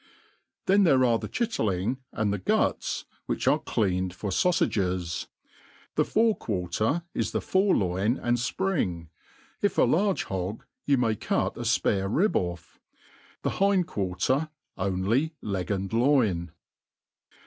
theft theie aie tho ebtlierlkiv ai^ (h« guts, which are cleaned for faufiiges; < The fore quarter it the fore^lbin and fprin^i if a large hogr^ you may cut a fpare rrb off. Tbe bind qiiarter only leg and loin.